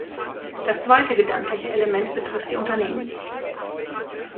Das zweite gedankliche Element betrifft die Unternehmen.